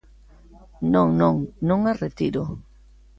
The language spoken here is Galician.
Non, non, non as retiro.